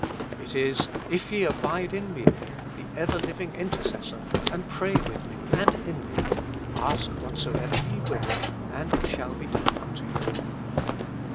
It is, if ye abide in me," the ever hving Intercessor, and pray with me and in me :" ask whatsoever ye will, and it shall be done unto you."